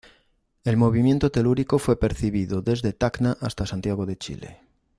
El movimiento telúrico fue percibido desde Tacna hasta Santiago de Chile.